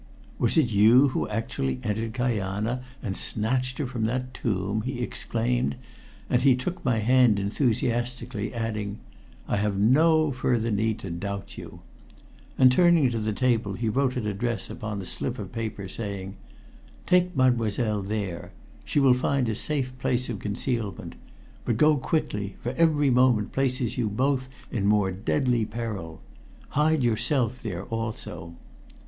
"Was it you who actually entered Kajana and snatched her from that tomb!" he exclaimed, and he took my hand enthusiastically, adding "I have no further need to doubt you." And turning to the table he wrote an address upon a slip of paper, saying, "Take Mademoiselle there. She will find a safe place of concealment. But go quickly, for every moment places you both in more deadly peril. Hide yourself there also."